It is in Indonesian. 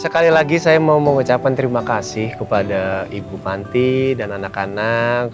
sekali lagi saya mau mengucapkan terima kasih kepada ibu panti dan anak anak